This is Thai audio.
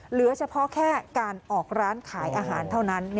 เหลือเฉพาะแค่การออกร้านขายอาหารเท่านั้น